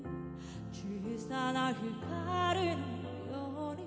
「小さな光のように」